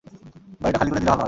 বাড়িটা খালি করে দিলে ভালো হয়।